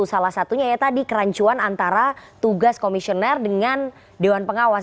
salah satunya ya tadi kerancuan antara tugas komisioner dengan dewan pengawas